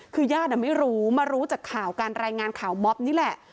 คือญาติไม่รู้มารู้จากข่าวการรายงานข่าวม็อบนี่แหละ